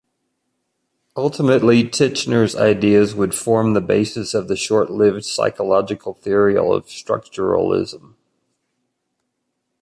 Ultimately Titchener's ideas would form the basis of the short-lived psychological theory of structuralism.